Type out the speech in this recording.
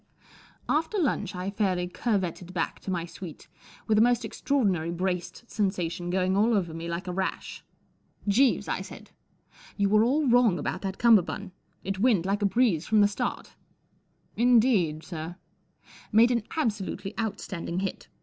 A FTER lunch I fairly curvetted back to ^ my suite, with a most extraordinary braced sensation going all over me like a rash. " Jeeves," I said, " you were all wrong about that cummerbund. It went like a breeze from the start." #l Indeed, sir ?"" Made an absolutely outstanding hit.